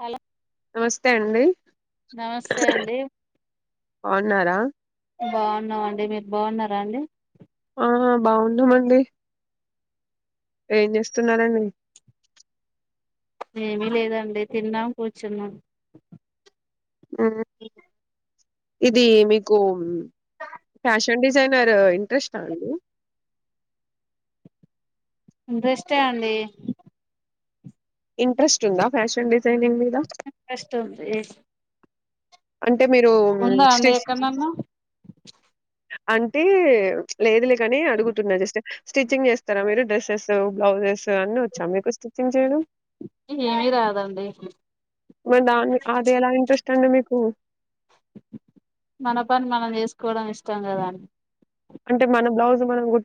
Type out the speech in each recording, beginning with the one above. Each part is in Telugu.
హలో నమస్తే అండి నమస్తే అండి ఉన్నారా బాగున్నాం అండి మీరు బాగున్నారా అండి ఆ బాగున్నామండి ఏం చేస్తున్నారండి ఏమిీ లేదండి తిన్నాం కూర్చున్నాం హూ ఇది మీకు ఫ్యాషన్ డిజైనర్ ఇంట్రెస్ట అండి ఇంట్రెస్టే అండి ఇంట్రెస్ట్ ఉందా ఫ్యాషన్ డిజై ఇంట్రెస్ట్ ఉంది అంటే మీరు ఉందా శ్రీ అండి ఎక్కడనన్నా అంటే లేదు లే కాని అడుగుతున్నా జస్ట్ స్టిచ్చింగ్ చేస్తారా మీరు డ్రెస్సెస్ బ్లౌజెస్ అన్ని వచ్చా మీకు స్టిచ్చింగ్ చేయడం ఏమీ రాదండి మరి దా అది ఎలా ఇంట్రెస్ట్ ట్టండి మీకు మన పని మనం చేసుకోవడం ఇష్టం కద అండి అంటే మన బ్లౌజ్ మనం గు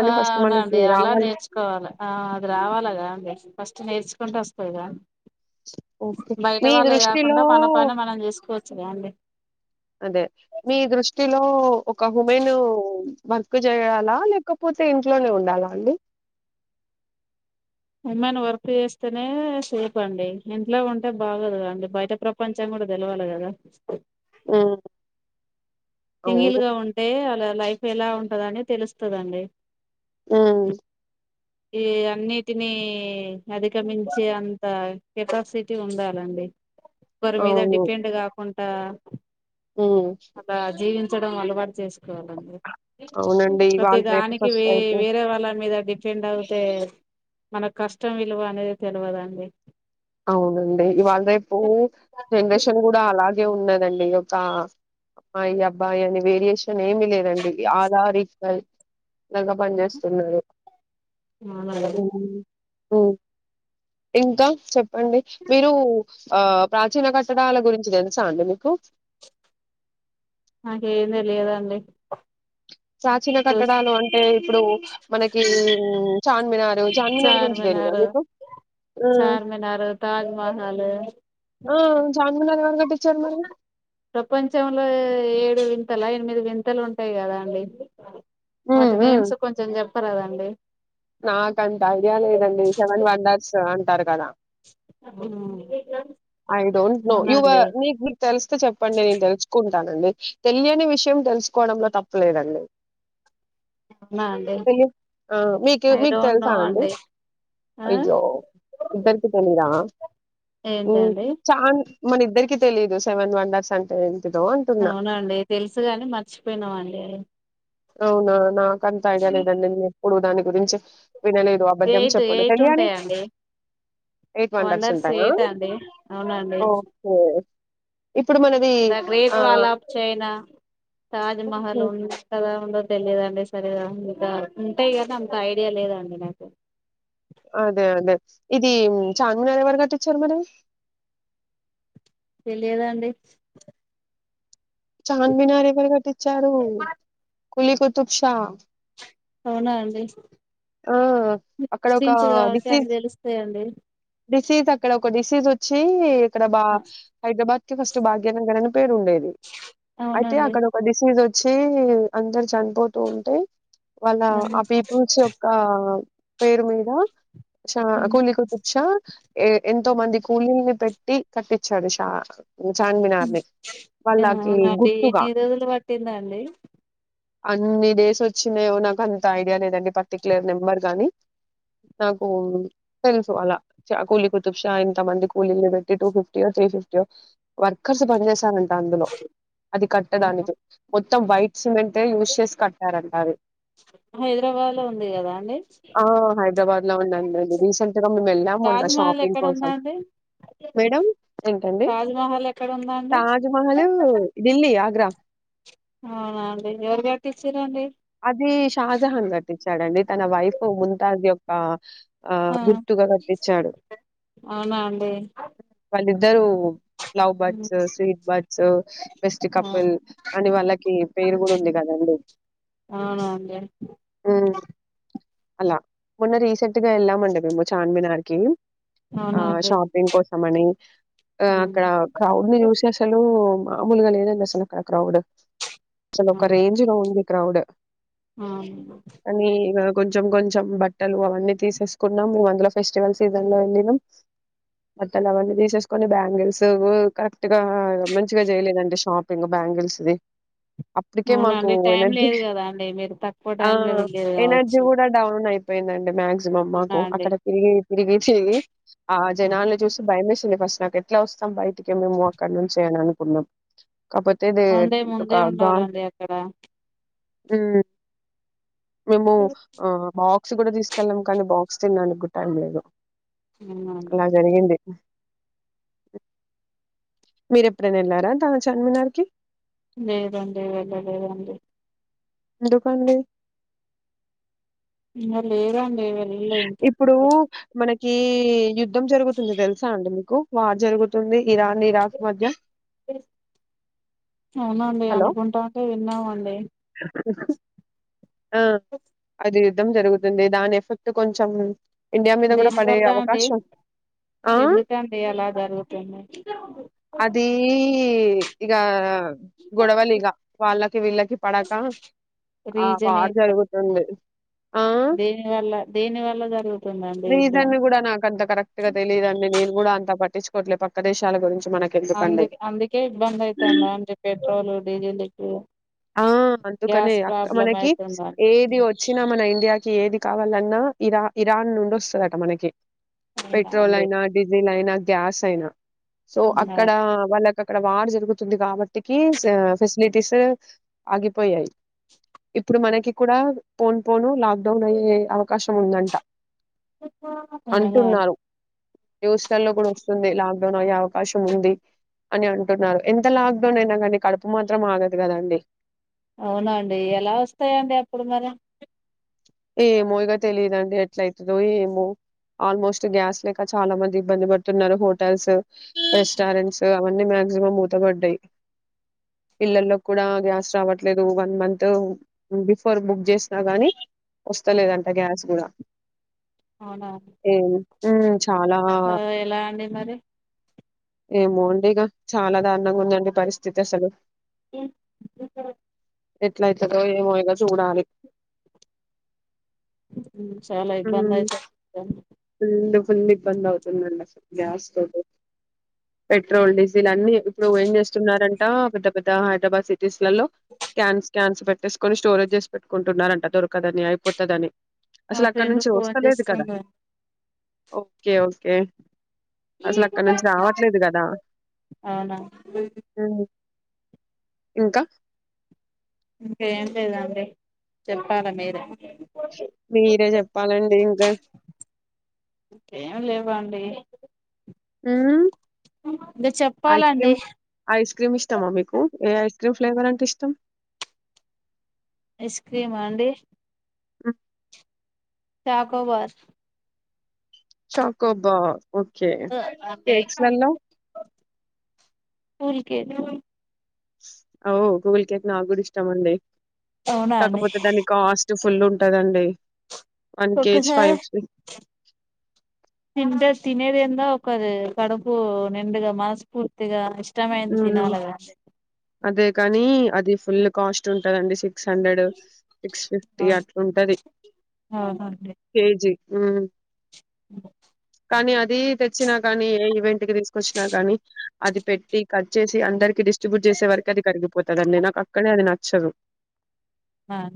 ఆ అవునండి అలా నేర్చుకోవాలి ఆ అది రావాలగా అండి ఫస్ట్ నేర్చుక్ తుంటే వస్తాయ్ గాన్ ఓకే మీ దృష్టిలో మన పని మనం చేసుకోవచ్చుగా అండి అదే మీ దృష్టిలో ఒక హుమెను వర్క్ చేయాలా లేకపోతే ఇంట్లోనే ఉండాలా అండి ఉమెన్ వర్క్ చేస్తేనే సేప్ అండి ఇంట్లో ఉంటే బాగొదుగదండి బయట ప్రపంచం కూడా తెలవాలి కదా ఆ సింగిల్ గా ఉంటే అలా లైఫ్ ఎలా ఉంటదని తెలుస్తదండి ఆ ఈ అన్నిటిని అధిగమించి అంత కెపాసిటీ ఉండాలండి ఒకరి మీద డిపెండ్ కాకుండ్ ఆ ఉమ్ ట్టడం అలవాటు చేసుకోవాలండి అవునండి. ప్రతి ఇవాళ రేపు దానికి వే సొసైటీ వేరే వాళ్ళ మీద డిప్ తెండ్ అవుతే మన కష్టం విలువ అనేది తెలవదండి అవునండి ఇవాళ రేపు జనరేషన్ కూడా అలా ఉన్నదండి ఒక అమ్మాయి అబ్బాయి అని వేరియేషన్ ఏమి లేదండి, అల్ ఆర్ ఈక్వల్ లాగా పనిచేస్తున్నారు. [inaudible] హ్మ్ ఇంకా చెప్ అండి మీరు ఆ ప్రాచీన కట్టడాల గురించి తెలుసా అండి మీకు నాకేం తెలియదండి ప్రాచీన కట్టడాలు అంటే ఇప్పుడు మనకి మ్ చార్మినార్ చార్మినార్ గురించి తెలీదా మీకు హ్మ్.. చార్మినార్ ఆ తాజ్మహల్ చార్మినార్ ఎవరు కట్టి ప్రపంచంలో ఏడు వింతలా ఎనిమిది వింతలు ఉంటాయి గదా అండి హ్మ్. వాటి హ్మ్. నేమ్స్ కొంచెం చెప్ ప్పారాదండి నాకంత ఐడియా లేదండి సెవెన్ వండర్స్ అం టారు కదా ఐ డోంట్ నో అవునండి యువర్ మిక్ మీకు తెలిస్తే చెప్పండి నేను తెలుసుకుం తనని తెలియని విషయం తెలుసుకోవడంలో తప్పలేదండి. అవునా అండి తెలిద్ హ మీక్ ఐ మీకు డోంట్ తెలుసా నో అండి, ఆ అయ్యో ఇద్దరికి తెలిదా మ్ ఏంటండి చా మనిద్ద ఇద్దరికి తెలీదు సెవెన్ వండర్స్ అంటే ఏంటిదో అంటున్నా అవునండి తెలుసు కాని, మర్చిపోయినామండి అవునా నాక్ కంతా ఐడియా లెదండి మి ఇప్పుడు దాని గురించి వినలేదు అబద్దం ఎయిట్ చెప్పను ఎయిట్ తెలియాలి, ఉంటాయండి ఎయిట్ వండర్స్ ఉంటాయా ఎయిట్ అండి అవునండి ఓహొ the great wall of China ఉహు, తాజ్మహల్ ఉంటద ఉండద్ తెలిదండి సరిగా ఇంకా ఉంటాయి కని అంత ఐడియా లేదండి నాకు అదే అదే ఇది చార్మినారు ఎవరు కట్టించారు మరి తేలియదాండి చార్మినార్ ఎవరు కట్ ట్టించారు కులీ కుతుబ్షా అవునా అండి ఆ అక్కడ ఒక ముస్లిమ్స్ కాబట్టి అన్ని డిసీజ్ తెలుస్తాయండి డిసీజ్ అక్కడ ఒక డిసీజ్ వచ్చి ఇక్కడ బా హైదరాబాద్ కి ఫస్ట్ భాగ్యనగర్ అని పేరు ఉండేది అవునండి అయితేక్కడ ఒకదిసి వచ్చి అందరు చనిపోతూ ఉంటే వాళ్ళ ఆ పేపు నుంచి ఆ పేరు మీదా షా కోలీ కుతుప్షా ఏ ఎంతో మంది కూలీల్ని పెట్టి కట్టించాడు షా చార్మినార్ ని అ వాళ్ళకి అవునండి గుర్తుగా ఎన్ని రోజులు పట్టిందా అండి అన్ని డేస్ వచ్చినాయో నాకు అంత ఐడియా లేదండి ప లర్ నెంబర్ గాని నాకు తెలుసు అలా కూలీ కుతుపుసా ఇంత మంది కూలీ పెట్టి టూ ఫిఫ్టీయో త్రీ ఫిఫ్టీయో వర్కర్స్ పని చేసాన అందులో అది కట్టడానికి మొత్తం వైట్ సిమెంంటే యూజ్ చేసి కట్టారంంట అది అ ఆ హైదరాబాద్ లో ఉందంండి రీసెంట్గా మేము వెళ్ళాముందు తాజ్మహల్ షాపింగ్ ఎక్కడ కోసం ఉందండి మేడం ఏంటండి తాజ్మహల్ ఎక్కడ ఉందండి తాజ్మహల్ ఢిల్లీ ఆగ్రా అవునా అండి ఎవరు గ టీచ్చర అండి అది షాజహాన్ కట్టించాడంండి తన వైఫ్ ముంతాజ్ యొక్క ఆ గుర్తుగా కట్టించాడు అవునా అండి వాళ్ళిద్దరుూ ఫ్లవ్ ఉ బర్డ్స్ స్వీట్ బర్డ్స్ బెస్ట్ ఆ కపుల్ అని వాళ్ళకి పేరు కూడా ఉంది కదండి అనా అంటే అలా మొన్న రీసెంట్ గా వెళ్ామండి మేము చాన్మినార్కి ఆ అవునా అండి షాపింగ్ కోసం అని ఆ ఉమ్. అక్కడ క్రౌడ్ ని చూసి అసలు అమలుగా ఏదన్నా సన్నక్కడ క్రౌడ్ చ ఒక రేంజ రానుంది క్రౌడ్ ఆ అని ఇగ కొంచెం కొంచెం బట్టలు అవన్నీ తీసేసుకున్నాం మే అందులో ఫెస్టివల్ సీజన్ లో వెళ్ళినం బట్టలు అవన్నీ తీసేసుకుొని బ్యాంగిల్స్ కరెక్ట్ గా మంచిగా చేయలేదండి షాపింగ్ బ్యాంగిల్స్ది అప్పుటికే అవునా మాకు అండి టైం లేదు కదా అండి మీరు తక్కువ టై లో వెళ్ళేది కావచ్చు ఇ మస్ అవునా మ్కు అండి అక్కడ తిరిగి తిరిగి తిరిగి ఆ జనాను చూసి భయేస్త ఫస్ట్ నాకు ఎట్లా వస్తాం బయటికిే మేము అక్కడ నుంచి అని అనుకున్నాం ఒక పత్తే ద వన్ డే గ ముందే ఆమ్ ఉండాలండి అక్కడ మేము ఆ బ బుక్స్ కూడా తీసుకెళ్ళం కానీ బాక్స్ తినడానికి కూడా టైం లేదు అవునా అండి అలా జరిగింది అమ్ మీరు ఎప్పుడైనా వెళ్లారా తా చార్మినార్ కి లేదండి వెళ్ళ లేదండి ఎందుకండి ఈనా లే రాండి ఇప్పుడు మన కి యుద్ధం జరుగుతుంది తెలుసా అండి మీకు వార్ జరుగుతుంది ఇరాన్ ఇరాక్ మధ్య అవునండి హలో! అనుకుంటాంటే విన్నామండి ఆ అదే యుధ్ధం జరుగుతుంది దాని ఎఫెక్ట్ కొంచెం ఇండియా మీద గూడా పడే దీనివల్ల అండి అవకాశం ఆ! ఎందుకండి అలా జరుగుతుంది ఇకా గొడవలిగా వాళ్ళకి వీళ్ళకి పడక ఆ రీజన్ వార్ ఏంట జరుగుతుంది ఆ! దేని వల్ల దేని వల్ల జరుగు రీజన్ కూడా నాకంత కరెక్ట్ గా తెలియదు అండి నేను కూడా అంత పట్టించుకోట్లేదు పక్క దేశాల గురించి అందు మనకెందుకండి. అందుకే ఇబ్బంది అవుతుందా అంటే పెట్రోల్ విడియోలది ఎక్కువ ఆ అందుకనే అక్క మనకి అయితుందా ఏది వచ్చినా మన ఇండియాకి ఏది కావాలన్నా ఇరా ఇరాన్ నుండి వస్తదట మనకి అవునా పెట్రోల్ అండి అయినా డీజిల్ అయినా గ్యాస్ అయినా సో అవునా అక్కడ వాళ్ళ అక్కడ వార్ జరుగుతుంది కాబట్టికి ఫెసిలిటీస్ ఆగిపోయాయి ఇప్పుడు మనకి కూడా పోను పోను లాక్ డౌన్ అయ్యే అవకాశం ఉందంట అవునా అంటున్నారు దేశాల్లో కూడా వస్తుంది లాక్ డౌన్ అయ్యే అవకాశం ఉంది అని అంటున్నారు ఎంత లాక్ డౌన్ అయినా కానీ కడుపు మాత్రం ఆగదు కదండి అవునండి ఎలా వస్తాయండి అప్పుడు మరి ఏమో ఇక తెలియదుండి ఎట్ల అయితుందో ఏమో ఆల్మోస్ట్ గ్యాస్ లేక చాలా మంది ఇబ్బంది పడుతున్నారు హోటల్స్ రెస్టారెంట్స్ అవన్నీ మక్సిమం మూతపడ్డాయి పిల్లల్లో కూడా గ్యాస్ రావట్లేదు వన్ మంత్ బిఫోర్ బుక్ చేసినా గానీ వస్తలేదంట గ్యాస్ కూడా అవునా ఏం ఉమ్ చాలా ఆ ఎలా అండి మరి ఏమోండి ఇగ చాలా దారుణంగా ఉందండి పరిస్థితి అసలు మ్మ్ [unintelligible] ఎట్లయితదో ఏమో ఇగ చూడాలి మ్మ్ చాలా ఇబ్బంది అయ్యి [unintelligible] కొంచెం ఇబ్బంది అవుతుందండి గ్యాస్ [unintelligible] పెట్రోల్ డీజిల్ అన్ని ఇప్పుడు ఏం చేస్తున్నారంటా పెద్ద పెద్ద హైదరాబాద్ సి టిస్ లల్లో క్యాన్స్ క్యాన్స్ పెట్టేసుకుని స్టోరేజ్ చేస్ పెట్టుకుంటున్నారంట దకు కదని అయిపోతదని మా అసలు అక్కడ ఫ్రెండ్ నుంచి ఫోన్ వస్తలేదు కదా చేస్తుంది ఓకే ఓకే అసలు అక్కడ నుంచి రావట్లేదు కదా అవునా ఇంకా ఇంకేం లేదండి చెప్పాలా మీర మీరే చెప్పాలండి ఇంకా ఏం లేవండి మ్మ్ ఇంకా ఐస్ చెప్పాలండి క్రీమ్ ఐస్ క్రీమ్ ఇస్తామా మీకు ఏ ఐస్ క్రీమ్ ఫ్లేవర్ంట ఇష్టం ఐస్ క్రీమా అండి మ్మ్ చాకోబార్ చాకో బా ఓకే అండి కేక్స్ లల్లో కూల్ కేకు ఓ గగుల్ కేక్ నా కూడా ఇష్టం అండి అవునా అండి కాకపోతే దాన్ని కాస్ట్ టు ఫుల్ ఉంటదండి వన్ ఒక కేజీ సార్ ఫైవ్ ఇంట్రెస్ట్ తినేది ఏందో ఒకది కడుపు నిండుగా మనస్ఫూర్తిగా ఇష్టమైంది హ్మ్. తినాలా గా అండి అదే కాని అది ఫుల్ కాస్ట్ ఉంటదండి సి సిక్స్ హండ్రెడ్ సిక్స్ ఫిఫ్టీ అట్లా ఉంటది కేజీ మ్మ్ మ్మ్ కానీ అది తెచ్చినా కానీ ఏ ఈవెంట్ కి తీసుకొచ్చినా గానీ అది పెట్టి కట్ చేసి అందరికి డిస్ చేస వర్కు అదికారు పోతుదన్నీ నాకు అక్కడ అది నచ్చదు అ అ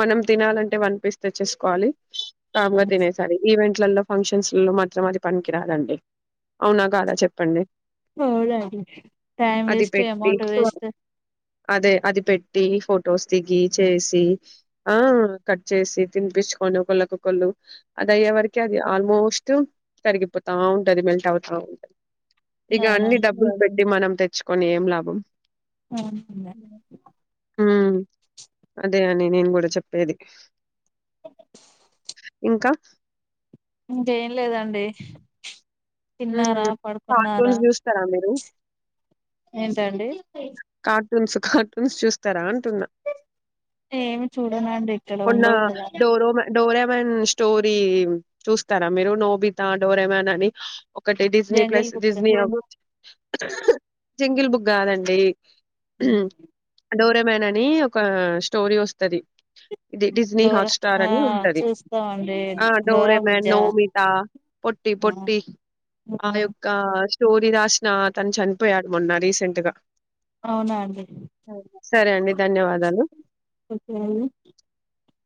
మనం తినాలంటే వన్ పీస్ తెచ్చేసుకోవాలి సాంగ తినయి సర ఈవెంట్ వాట్లలో ఫంక్షన్స్లలో మాత్రం అది పనికిరాదండి అవునా కాదా చెప్పండి బళ అడి టైమ్ అది వేస్ట్ అమౌంట్ పెట్టి వేస్ట్ అదే అది పెట్టి ఫొటోస్ దిగి చేసి ఆ కట్ చేసి తినిపచ్చుకొని ఒకళ్ళకళ్ళు అది అయ్యే వరక అది ఆల్మోస్ట్ తరిగిపోతా ఉంటది మెల్ట్ అవుతా ఉంటది ఇక అన్నీ అవునండి బ్బ పెడ్డి మనం తెచ్చుకొని ఏం లాభం ఉమ్ [unintelligible] అదే అని నేను కూడా చెప్పేది ఇంకా అంటే లేదండి తిన్నారా పడుకున్నారా కార్టూన్స్ చూస్తారా మీరు ఏంటండి కార్టూన్స్ కార్టూన్స్ చూస్తారా అంటున్నా ఏమి చూడనండి ఇక్కడ ఉండవు కదా డోరమన్ స్టోరీ చూస్తారా మీరు నోబితా డోరమన్ అని ఒకటి Disney jungle plus book Disney అ జంగిల్ బుక్ కాదండి డోరే వుమెన్ అని ఒక స్టోరీ వస్తుది ఇది డిజ్నీ డోరా హాట్స్టార్ ఆ అని ఉంటది చూస్తామండి ఆ డోరా డోరెమన్ బుజ్జా నోమిత పొట్టి పొట్టి ఆ యొక్క స్టోరీ రాసిన అతను చనిపోయాడు మొన్నా రీసెంట్ గా అవునా అండి సరే అండి ధన్యవాదాలు [inaudible]